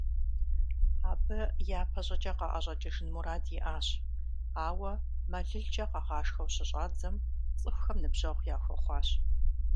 Абы япэщӀыкӀэ къаӀэщӀэкӀыжын мурад иӀащ, ауэ мэлылкӀэ къагъашхэу щыщӀадзэм, цӀыхухэм ныбжьэгъу яхуэхъуащ.